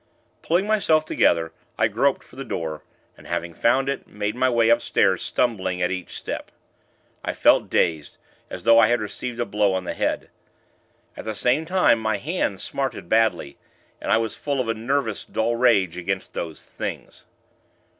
Pulling myself together, I groped for the door, and, having found it, made my way upstairs, stumbling at each step. I felt dazed, as though I had received a blow on the head. At the same time, my hand smarted badly, and I was full of a nervous, dull rage against those Things.